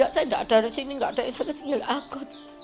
saya gak ada di sini gak ada yang sakit ginjal akut